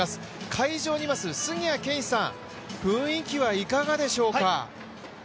会場にいます杉谷拳士さん、雰囲気はいかがでしょうか？